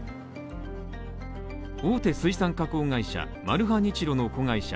大手水産加工会社マルハニチロの子会社